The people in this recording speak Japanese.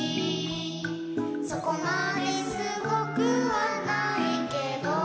「そこまですごくはないけど」